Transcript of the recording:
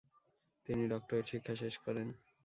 তিনি ডক্টরেট শিক্ষা শেষ করেন।